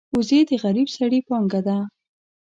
وزې د غریب سړي پانګه ده